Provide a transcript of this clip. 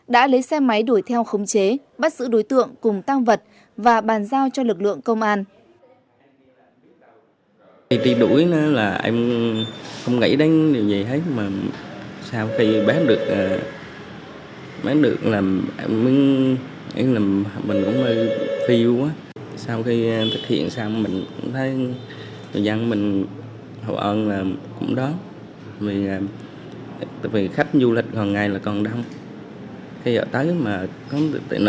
đã lấy xe máy đuổi theo khống chế bắt giữ đối tượng cùng tam vật và bàn giao cho lực lượng công an